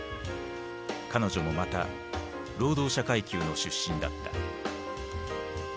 彼女もまた労働者階級の出身だった。